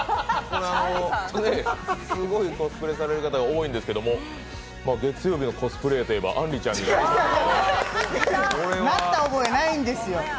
すごいコスプレされる方が多いんですけど、月曜日のコスプレーヤーといえばあんりさんなった覚えないんですよ。